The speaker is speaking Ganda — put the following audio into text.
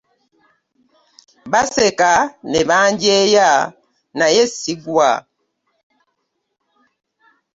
Baaseka ne banjeeya naye sigwa.